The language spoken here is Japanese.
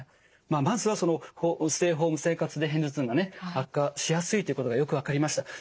まあまずはステイホーム生活で片頭痛がね悪化しやすいということがよく分かりました。